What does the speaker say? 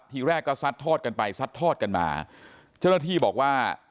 ทีแรกก็ซัดทอดกันไปซัดทอดกันมาเจ้าหน้าที่บอกว่า